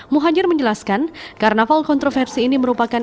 muhajir menjelaskan karnaval kontroversi ini merupakan